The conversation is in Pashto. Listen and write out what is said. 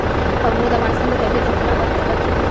قومونه د افغانستان د طبیعت د ښکلا برخه ده.